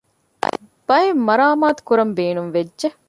ބައެއް މަރާމާތުކުރަން ބޭނުންވެއްޖެ